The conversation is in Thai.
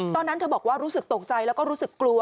ตอนนั้นเธอบอกว่ารู้สึกตกใจแล้วก็รู้สึกกลัว